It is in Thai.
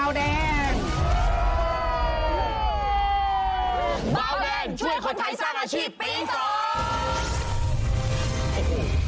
เบาแดงช่วยคนไทยสร้างอาชีพปีสอง